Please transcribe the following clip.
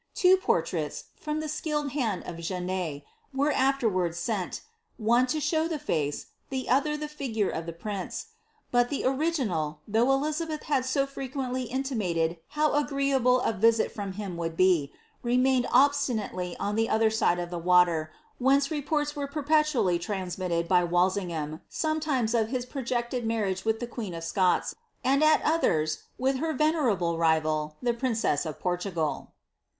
Two portraits, from the skilful hand of Janet, veie afterwards sent — one to show the face, the other the figure of the prince ; but the original, though Elizabeth had so frequently intimated how agreeable a visit from him would be, remained obstinately on the other side the water, whence reports were perpetually transmitted by Walsingham, sometimes of his projected marriage with the queen of Scots, and at others with her venerable rival, the princess of Portugal.